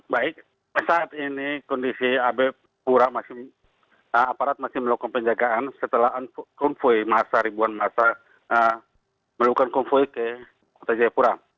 baik saat ini kondisi abe pura masih aparat masih melakukan penjagaan setelah konvoy massa ribuan masa melakukan konvoy ke kota jayapura